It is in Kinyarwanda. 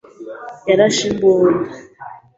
Yarashe imbunda.